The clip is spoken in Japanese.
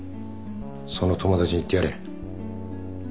その友達に言ってやれ。